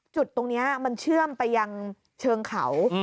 จุดตรงนี้มันเชื่อมไปยังเชิงเขา